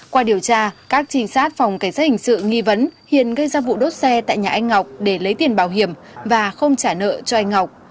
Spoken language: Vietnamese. qua điều tra các trinh sát phòng cảnh sát hình sự nghi vấn hiền gây ra vụ đốt xe tại nhà anh ngọc để lấy tiền bảo hiểm và không trả nợ cho anh ngọc